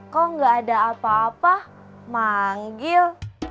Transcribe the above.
kok gak ada apa apa manggil